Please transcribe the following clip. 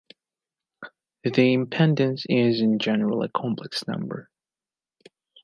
The impedance is, in general, a complex number.